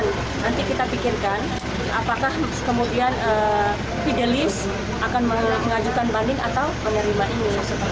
nanti kita pikirkan apakah kemudian fidelis akan mengajukan banding atau menerima ini